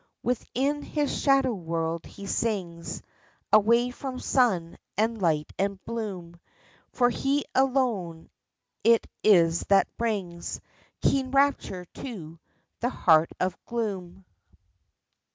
Within his shadow world he sings Away from sun and light and bloom, For he alone it is that brings Keen rapture to the heart of Gloom.